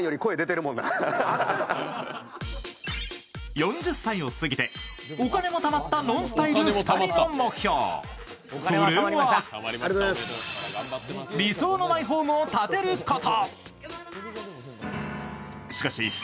４０歳を過ぎてお金も貯まった、ＮＯＮＳＴＹＬＥ２人の目標、それは理想のマイホームを建てること。